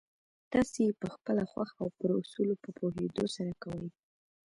تاسې يې پخپله خوښه او پر اصولو په پوهېدو سره کوئ.